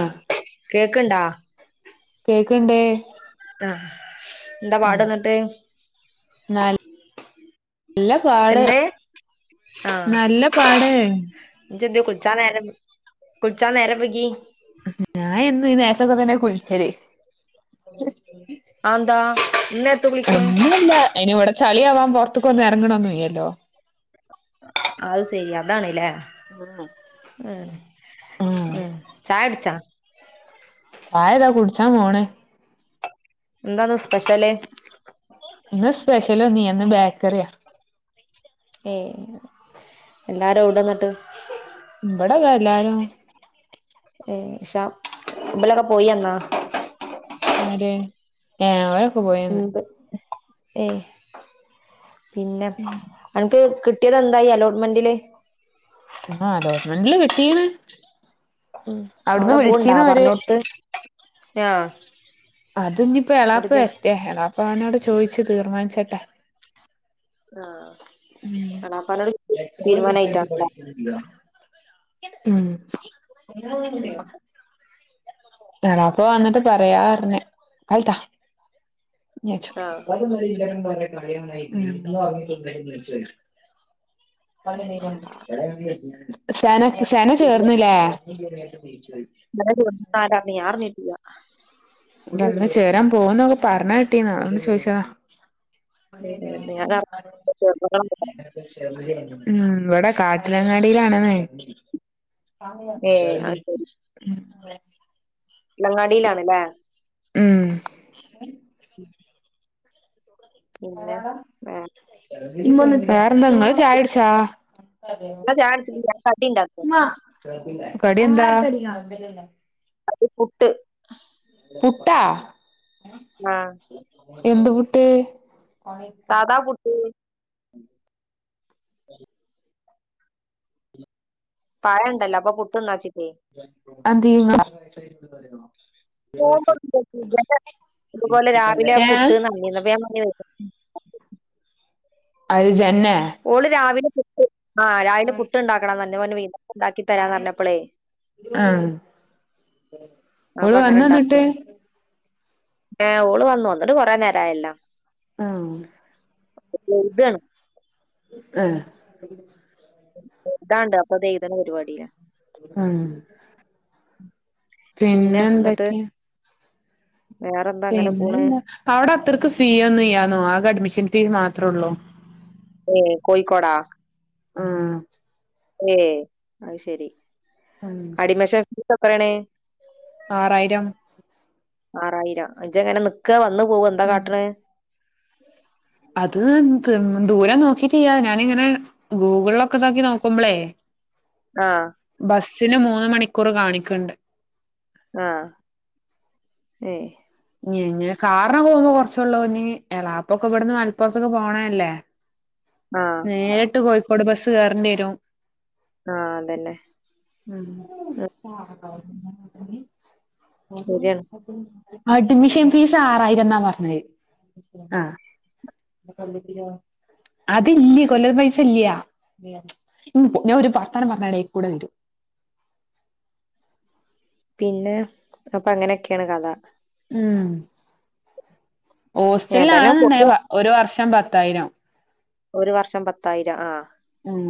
ആഹ് കേക്ണ്ടാ? ക്കണ്ടേ ആഹ് എന്താ പാടന്നിട്ട് നല്ല പാട് നല്ല പാട് ജ്ന്തേ കുൽച്ചാ നേരം കുൽച്ചാ നേരംവൈകി ഞൻ എന്നു ഈനേത്തൊക്കെ തന്നെ കുളിച്ചല് അതെന്താ ഈ നേരത്ത് കുളിക്ക്ണ് ഒന്നല്ല ഇനി ഇവിടെ ചളിയാവാൻ പുറത്തേക്കു ഒന്ന് എറങ്ങണോന്നിയ്യല്ലോ അത് ശരി അതാണ്ല്ലേ ആഹ് ഉം ആഹ് ഉം ചായ്ടിച്ചാ ചായതാ കുടിച്ചാൻ പോണ് എന്താന്ന് സ്പെഷ്യല് ഇന്ന് സ്പെഷ്യലോ നീ എന്ന് ബേക്കറിയാ ഏയ് എല്ലാരും എവിടെന്നിട്ട് ഇവിടതാ എല്ലാരും ഏഹ് ഇഷ മുമ്പിലൊക്കെ പോയിന്നാ അതേ ഏഹ് അവരൊക്കെ പോയിന്ന് ഏയ് പിന്നെ നിനക്ക് കിട്ട് ട്ടിയതെന്തായി അലോട്ട്മെന്റില് ആഹ് അലോട്ട്മെന്റില് കിട്ടിയ്ണ് അവിടെ പോവ്ണ്ടാ പറഞ്ഞോടുത്ത് ആഹ് അത് ഇനിയിപ്പോ ന്നട്ട് എളാപ്പ് ഇജ്ജ് വരട്ടെ എളാപ്പ അവനോട് ചോയിച്ചു തീരുമാനിച്ചട്ടെ ആഹ് ഉം എളാപ്പാനോട് തീരുമാനായിട്ടാണല്ലേ [unintelligible] ഉം [unintelligible] എളാപ്പ വന്നിട്ട് പറയാ പറഞ് അൽത്താ ഞ്ഞെ ച്ചൊ [unintelligible] ഉം [unintelligible] സേനെ ഹുസേന ചേർന്നില്ലേ [unintelligible] ആരാണ് ഞാ അർഞ്ഞിട്ടില്ല ദാന്ന് ചേരാൻ പോകന്നൊക്കെ പറഞ്ഞ കിട്ടീന്ന് അതോണ്ട് ചോദിച്ചതാ ഞാൻ [unintelligible] ഉം ഇവിടെ കാട്ടിലങ്ങാടിയിലാണ്ന്ന് ഏ അത് ശരി ഉം ഇളങ്ങാടിയിലാണല്ലേ പിന്നെ വേറെ [unintelligible] വേറെന്താ ങ്ങള് ചായടിച്ചാ ചാൻസില്ല കടി ഉണ്ടാക്കും [unintelligible] കടി എന്താ അത് പുട്ട് പുട്ടാ ആഹ് എന്ത് പുട്ട് സാദാ പുട്ട് [unintelligible] പഴണ്ടല്ലോ അപ്പൊ പുട്ട്ന്നാച്ച് അതിന്നോ [unintelligible] പോവുമ്പോ [unintelligible] ഇതുപോലെ രാവിലെ ഏഹ് പുട്ട്ന്ന് പറഞ് അപ്പൊ ഞാൻ പറഞ് വെ [unintelligible] അത് ജെന്നെ ആഹ് രാവിലെ പുട്ട്ണ്ടാക്കണം തന്നെ ഒന് വീ ഉണ്ടാക്കി തരാന്ന് പറഞ്ഞപ്പോളേ ആഹ് അപ്പൊ ഓള് അങ്ങനെ ഇണ്ടാക്ക വന്നന്നിട്ട് ഏഹ് ഓള് വന്നു വന്നിട്ട് കൊറെ നേരായല്ല ആഹ് എഴ്തേണ് ആ ഇതാണ്ട് അപ്പൊതേതാണ് പരിപാടില്ലേ ആഹ് പിന്നെ എന്തൊക്കെയ വേറെന്താ അങ്ങനെ പോണ് പിന്നെന്താ അവടെ അത്രയ്ക്ക് ഫീ ഒന്നുല്യാന്നോ ആകെ അഡ്മിഷ് ഷൻ ഫീ മാത്രേ ഉള്ളൂ ഏ കോഴിക്കോട ആഹ് ഏ അത് ശെരി ഉം അഡ്മിഷൻ ഫീസെത്രാണ് ആറായിരം ആറായിരം ജ് എങ്ങനെ നിക്ക വന്നു പോവ എന്താ ഉം കാട്ട്ന് അത് ന് ക്ക്‌ ദൂരം നോക്കിട്ടിയാം ഞാനിങ്ങനെ ഗൂഗിളിലൊക്കെ നോക്കി നോക്കുമ്പോളേ ആഹ് സിന് മൂന്ന് മണിക്കൂർ കാണിക്ണ്ട് ആ ഏഹ് ഇ ഇങ്ങനെ കാരണം കൊറച്ചുള്ളോണ്ട് എളാപ്പൊക്കെ ഇവിടന്ന് മലപ്പുറത്തൊക്കെ പോണതല്ലേ ആ നേരിട്ട് കോഴിക്കോട് ബസ് കേറണ്ടിരും ആ അതന്നെ ഉം ഉം ശരിയാണ് അഡ്മിഷൻ ഫീസ് ആ റായിരുന്ന പറഞ്ഞത് ആ അതില്ല്യെ കൊല്ലത് പൈസ ഇല്ല്യാ ഞാൻ ഒരു വർത്താനം പറഞ്ഞടെൽ കൂടെ വരും പിന്നെ അപ്പൊ അങ്ങനൊക്കാണ് കഥ ഉം ഏതായാലും ഹോസ്റ്റലിലാണെന്നുണ്ടെ പോയി ഒരു വർഷം ഷം പത്തായിരം ഒരു വർഷം പത്തായിരം ആ ഉം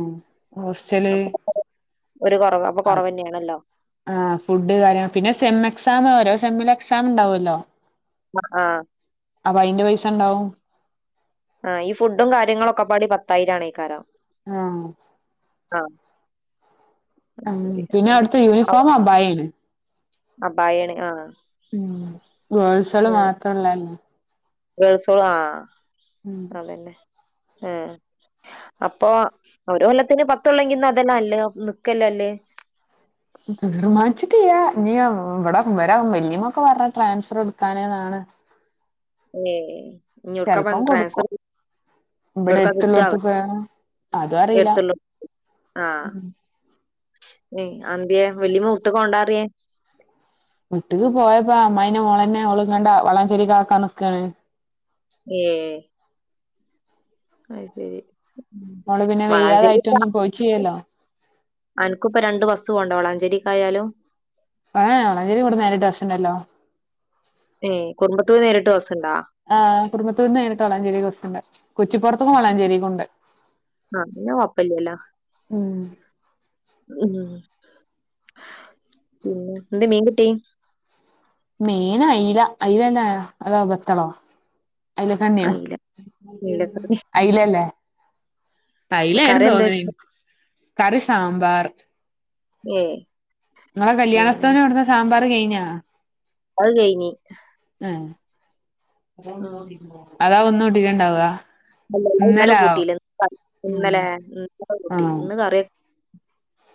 ഹോസ്റ്റല് അപ്പൊ ഒരു കുറവ് അപ്പൊ അ കുറവ് തന്നെയാണല്ലോ ആ ഫുഡ് കാര്യങ്ങ പിന്നെ സെമ എക്സാമ് ഓരോ സെമില് എക്സാം ഉണ്ടാവുല്ലോ ആ ആ അപ്പൊ അയിന്റെ പൈസ ഇണ്ടാവും ആ ഈ ഫുഡും കാര്യങ്ങളുംളൊക്കെപാടെ പത്തായിരം ആണെ ഈ കരം ആഹ് ആ ആ ശരി പിന്നെ അവിടത്തെ യൂണിഫോം അബായേല് അബയാണ് ആ ഉം ഗേൾസ്കള് മാത്രംള്ളല്ലേ ഗേൾസോളാ ആ ഉം അതന്നെ ഏഹ് അപ്പൊ ഒര് കൊല്ലത്തിന് പത്തള്ളെങ്കിന്ന് അതെല്ലാം അല്ലേ നല്ലത് നിക്കല്ലല്ലേ ഇ ഇവടെ ഇവരെ വല്യമ്മ ഒക്കെ പറഞ്ഞ് ട്രാൻസ്ഫർ എടുക്കാനേന്നാണ് ഏ ഇങ്ങോടുക്ക പറഞ്ഞ് കൊടുക്കും ട്രാൻസ്ഫറ് ഇവിടെ എടുക്കാ കിട്ട്വോ എടുത്തുള്ളോടത്തൊക്കെ അതും അറിയില്ല എടുത്തുള്ളൂ ആ അന്ത്യെ [unintelligible] മുട്ട് കൊണ്ടാറിയേ മുട്ട്ക്ക് പോയപ്പോ അമ്മായിന്റെ മോളെനെ ഓള് കണ്ട് വളാഞ്ചേരി കാക്കാൻ നിക്കാണ് ഏ അയ് ശെരി ഓള് പിന്നെ വെയ്യാതായിട്ടൊന്നും പോയിചില്ലല്ലോ അനക്പ്പ രണ്ട് വസ്തുവൊണ്ട വളാഞ്ചേരിക്കായാലും ഏ വളഞ്ചേരി കൂടെ നേരിട്ട് ബസ്ണ്ടല്ലോ ഏ [unintelligible] നേരിട്ട് ബസ്സ്‌ ആ കുറുമത്തൂരിന്ന് നേരിട്ട് വളാഞ്ചേരിക്ക് ബസ്സുണ്ട് കുറ്റിപ്പുറത്ത് ക്കും വളാഞ്ചേരിക്ക്ണ്ട്. ആ അപ്പേന്നെ കോപ്പല്ലല്ലോ? ഉം ഉം പിന്നെ എന്തേ മീൻകട്ടി? മീന് അയ്ല അയ്ലെന്നെ അതോ ബത്തളോ? അയ്‌ല കണ്ണിയോ അയില അയിലക്കറി അയിലല്ലേ? കറി അയിലർന്നു എന്താ തോന്ന്ണ് വെച്ചേ കറി സാമ്പാർ. ഉം ഇങ്ങളെ കല്യാണസ്ഥന കൊടുന്ന സാമ്പാർ കഴിഞ്ഞോ? അത് കയ്ഞ്ഞി അതാ ഒന്നോട്ടിക്കണ്ടാവ. അല്ല ഇന്നലെ കൂട്ടിയില്ല ഉം ഇന്നലെ ഇന്ന് കൂട്ടി ആഹ് ഇന്ന് കറിയൊ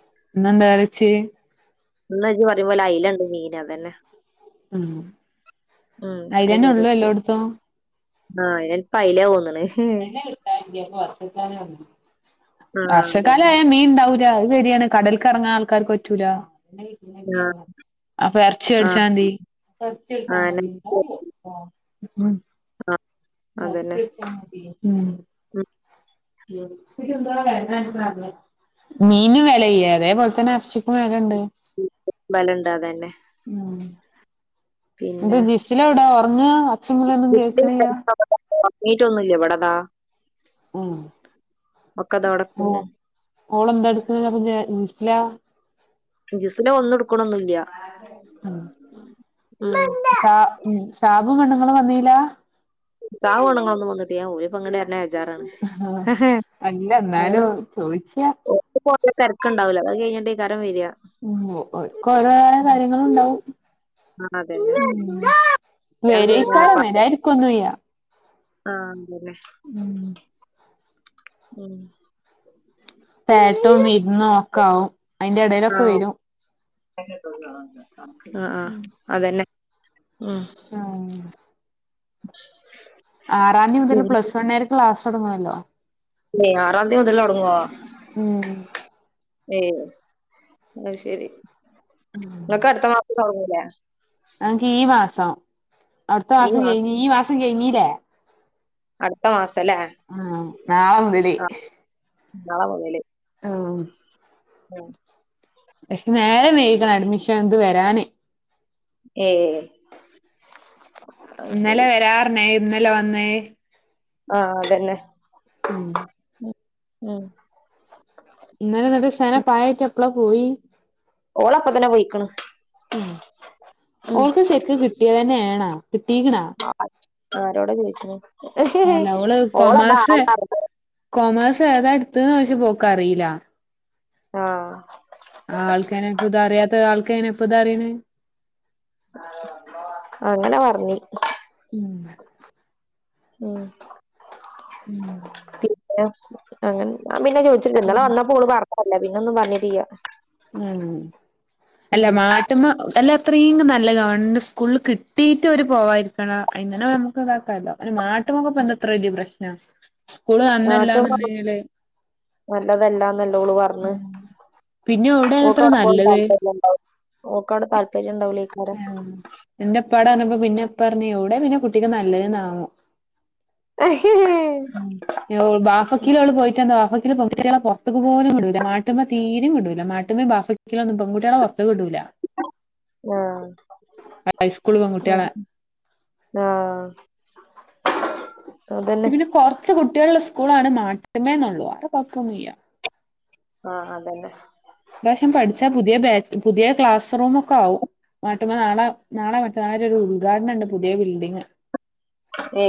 [unintelligible] ന്ന് ഇജ്ജ് പറയുമ്പോലെ അയ്ലണ്ട് മീന് അതെന്നെ മം അത് കറി അയിലെന്നൊള്ളു വെച്ച് എല്ലോടത്തും. ആ [unintelligible] പൈലെ തോന്ന് ണ്. ആ വർഷക്കാല അതന്നെ ആയാ മീൻണ്ടാവു അത് സെരിയാണ് കടൽക്ക് എറങ്ങാൻ ആൾക്കാർക്ക് പറ്റൂല. ആ അപ്പൊ എർച്ചി ആ വെടിച്ചാമതി. ആ നെയ്ച്ചോറ്. ആ മം അതന്നെ ഉം മീനും വിലല്ലേ അതേപോലെ തന്നെ ഇറച്ചിക്കും വെലണ്ട്. ബലണ്ട് അതെന്നെ. പിന്നെ. എന്നിട്ട് ജിസിൽ എവിടാ ഉറങ്ങാ ഒച്ചയും വിളിയും ഒന്നും കേൾക്കണില്ല ഒറങ്ങീടറ്റോന്നുല്ല ഇവടതാ. ഉം അതോടൊപ്പം ഓ ഓളെ ന്താ എടുക്കുന്നപ്പ [unintelligible] ഇല്ലാ ജിസിനെ ഒന്ന് ഇട്ക്കൊന്നുല്ല്യാ മം ശാ ഷാബും പെണ്ണുങ്ങളും വന്നീലാ താഓണങ്ങളൊന്നും വന്നിട്ട ഞാൻ ഒരു [unintelligible] വെജാറാണ് ഇല്ല ഇന്നാലും ചോയിച്ച പൊറത്തുപോണ്ടേ തെരക്കുണ്ടാവൂല്ല അത് കഴിഞ്ഞിട്ടയ്ക്കാരിം വേര. ഒക്ക ഓരോര കാര്യങ്ങളും ഇണ്ടാവും ആ അതന്നെ മം കല്യാണം കഴിഞ്ഞാലപ്പ വേരയ്ക്കാരിം വരായിരിക്കൊന്നൂല്യ ആഹ് അതെലെ മം പേട്ടും വിരുന്നും ഒക്കെ ആവും അയി ന്റെ ഇടയിലൊക്കെ വെരും. ആ ആ ഉം അതെന്നെ. മം ഉം ആറാന്തി മുതൽ പ്ലസ് വണർക്ക് ക്ലാസ് തൊടങ്ങോലോ? ഏ ആറന്തി മുതൽ തൊടങ്ങോ? ഉം ഏയ് അഹ് ശെരി ഇങ്ങക്ക് അടുത്ത മാസം തുടങ്ങൂലെ? ഞങ്ങക്ക് ഈ മാസം അവടുത്ത മാസം കഴിഞ് ഈ മാസം കഴിഞ്ഞല്ലേ? അടുത്ത മാസം അല്ലേ ആ നാളെ മുതല് ആഹ് നാളെ മുതല് ആഹ് ആ ശെ നേരം വെയ്ഗൺ അഡ്മിഷൻ ഇദ് വെരാന് ഏ ഇന്നലെ വരാറ്ന്നു ഇന്നലെ വന്നേ? ആ അതന്നെ ഉം ഉം ഉം ഇന്നലെ ങ്ങക്ക് സെന പായ ക്കെപ്പളാ പോയി? ഓളപ്പ തന്നെ പോയിക്ക്ണ്. ഓൾക്ക് ശെക്ക് കിട്ടിയ തെന്നേണൊ കിട്ടീക്ക്ണോ? ആരോടാ ചോയിച്ച്? അല്ല അവഓള് കൊമേഴ്സ് കൊമേഴ്സേതാ ട്ത്ത്ന്നോചയ്ച്ച പ്പോ ക്കറീല ആഹ് ആൾക്കെന്നെ പ്പൊതറിയാത് താൾക്കെങ്ങ്നെ പ്പൊ തറിയ്ണ്? അങ്ങനെ പറഞ്ഞ് ഉം ഉം ഉം പിന്നെ അങ്ങനെ ഞാ പിന്നെ ചോിച്ചില്ല ന്നലെ വന്നപ്പോള് പറഞ്ഞതല്ലേ പിന്നൊന്നും പറഞ്ഞിട്ടില്ല. ഉം ഉം അല്ല മാട്ട്മ്മ അല്ല അത്രീം നല്ല ഗവൺമെന്റ് സ്കൂൽല് കിട്ടിയിറ്റ് അവര് പോവായിര്ന്നതാ ഇന്നനെ നമുക്ക് താക്കാല്ലോ. ഒരു മാ ട്ടോമ്പൊ പ്പെന്ത ത്ര വലൃയ പ്രശ്നം? സ്കൂള് നാട്ട് നന്നല്ലാന്നുണ്ടെങ്കില് നല്ലതല്ലാന്നല്ലോള് പറഞ്ഞ് പിന്നെ എവിടെയാണത്ര ഓക്കവിടെ പോവാൻ നല്ലത് താല്പര്യണ്ടാവുല്ല. ഓക്കവ്ടെ താൽപരൃണ്ടാവുല്ല. ആ ന്റെ പ്പാടറഞ്ഞപ്പോ പിന്നെ പ്പ പറഞ്ഞൂ ഏടെ പിന്നെ കുട്ടിക്ക് നല്ലത് ണാവോ? ആഹ് ഉ വാഫ കീലോള് പോയിട്ടെന്താ വാഫ ഇ പെൻകുട്ടൃളെ പൊറത്തുക്ക് പോലും വ്ടൂല്ല മാട്ടുമ്മ തീരിം വ്ടൂല്ല, മാട്ടുമ്മേം ബാപ്പക്കൊന്നും പെൺുട്ടൃളെ പൊറത്ത് ക്ടൂല്ല. ആ ഹൈസ്കൂള് പെൺകുട്ടികളെ ഉ ആഹ പിന്നെ കുറച്ച് കുട്ടൃളാണ് സ്കൂളാണ് മാട്ട്മേ എന്നൊള്ളൂ വേറെ കൊഴകൊന്നുല്ല. ആ അതന്നെ പ്രാവശ്യം പഠിച്ചാ പുതിയ ബാ പുതിയ ക്ലാസ് റൂമൊക്കെ ആവും. മാട്ടുമ്മ നാളെ നാളെ മറ്റെന്നാളൊക്കെ ഒരു ഉദ്ഘാടനണ്ട്, പുതിയ ബിൽഡിങ്. ഏ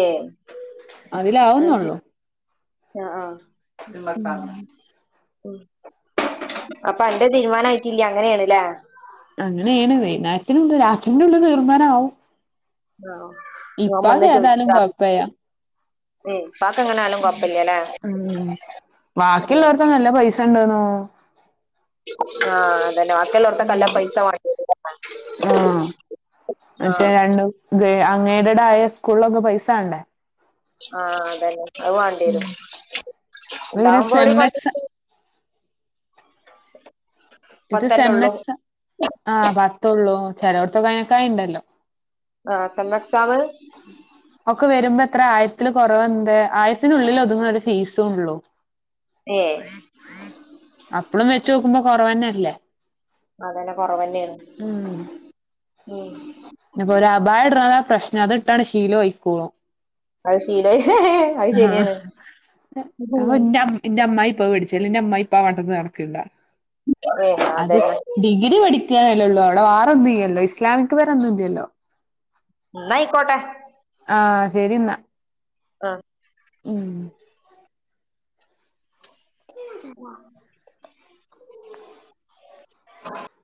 അ ശ അതിലാവുന്നുള്ളൂ ആ ആ കാ ഉം ഉ അപ്പൊ അന്റെ തീരുമാനയിട്ടില്ല അങ്ങനെയാണ്ല്ലേ? അങ്ങനേണ്. വൈന്നേരത്തിന് ഉച്ചൂന്റുള്ളില് തീർമാനം ആവും. ആ ഓൻ വന്ന് ചോയിച്ച്ടാർന്നു. കൊഴപ്പല്ല ഉം ബാക്കിള്ളോർക്ക് നല്ല പൈസ ഇണ്ട്ന്നോണ്. ആ അതന്നെ, വാക്കിള്ളോർക്കെല്ലാ നല്ല ഉം പൈസ വാങ്ങി ണ്. ആഹ് മറ്റേ അഞ്ഞ് അംഗേഡഡായ സ്കൂൾലൊക്കെ പൈസ വാണ്ടേ? ആ അതന്നെ അത് ഉം വേണ്ടീരും ഇത് പിന്നെ താവുമ്പോര് സെം കൊ എക്സാ ഇത് ഇപ്പത്തന്നെ സെം ഉള്ളൂ എക്സ് ആ പത്തൊള്ളൂ ചിലോട്ത്തൊ ക്കയിനേക്കായി ണ്ടല്ലോ ആ സെമ്മെക്സാമ് ഒക്കെ വരുമ്പോ എത്ര ആയിരത്തില് കൊറവെന്ത് ആയിരത്തിനുള്ളിലൊത്ങ്ങ്ണൊരു ഫീസൊള്ളൂ. ഏ അപ്പളും വെച്ചോക്കുമ്പോ കൊറവെന്നെ ല്ലേ അതന്നെ കൊറവന്നേണ് ഉം ഒരപായ ഇട്ണതാണ് പ്രശ്നം അതിട്ടാണ് ശീലായിക്കോള്ളൂ. അത് ശീലായി അത് ആ ശരിയാണ് അപ്പൊ ഉം ന്റെ ന്റെ അമ്മായി പിടിച്ചേല് ന്നമ്മായി പ്പനടക്ക്ണ്ടാ അത് അതന്നെ ഡിഗ്രി പഠി കല്ലള്ളോ അവിടെ വാറൊന്നുയില്ലല്ലോ ഇസ്ലാമിക്ക് പരൊന്നും ഇല്ലല്ലോ. എന്നായിക്കോട്ടെ ആ ശരി ന്നാ ആ ഉം [unintelligible]